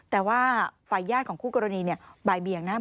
แต่ว่าฝ่ายญาติของคู่กรณีใบเบียงนะ